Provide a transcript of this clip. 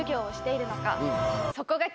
そこが。